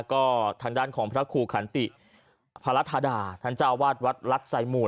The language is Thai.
ก็ทางด้านของพระครูขาลติพระรัทธาตุธรรมกวาทวรรษยมุล